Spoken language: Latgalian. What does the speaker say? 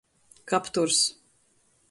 Kapturs.